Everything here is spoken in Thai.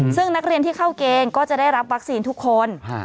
ซึ่งนักเรียนที่เข้าเกณฑ์ก็จะได้รับวัคซีนทุกคน